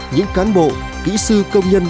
những cán bộ kỹ sư công nhân